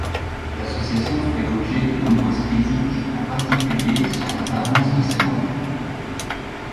L'association fait l'objet de nombreuses critiques, en particulier sur l'apparence de ses membres.